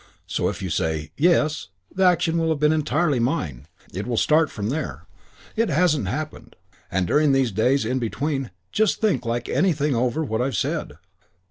So if you say 'Yes' the action will have been entirely mine. It will start from there. This hasn't happened. And during these days in between, just think like anything over what I've said.